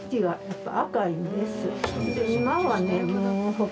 はい。